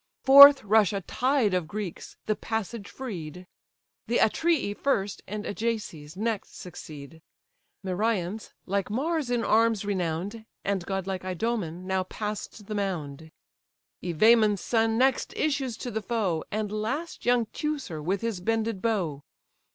Forth rush a tide of Greeks, the passage freed; The Atridae first, the Ajaces next succeed: Meriones, like Mars in arms renown'd, And godlike Idomen, now passed the mound; Evaemon's son next issues to the foe, And last young Teucer with his bended bow.